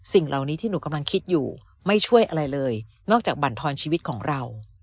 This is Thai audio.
สิ่งเหล่านี้ที่หนูกำลังคิดอยู่ไม่ช่วยอะไรเลยนอกจากบรรทอนชีวิตของเรา